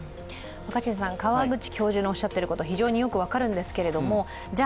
川口教授がおっしゃっていること、非常によく分かるんですけどじゃ